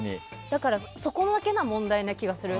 だからそこだけの問題な気がする。